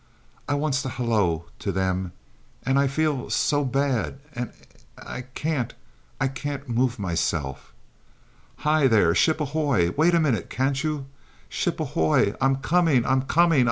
I wants to halloo to 'em and I feels so bad and I can't, I can't move myself. Hi, there! Ship ahoy! Wait a minute can't you? Ship ahoy! I'm coming I'm comi ing.